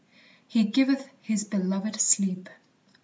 "He giveth his belovèd sleep."